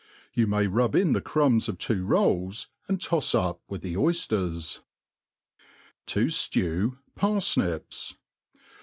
You may rub in the crumbs of two rolls, and toft up with the oyftcrs'. Tojitv Par/nips.